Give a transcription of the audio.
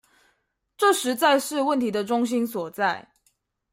這實在是問題的中心所在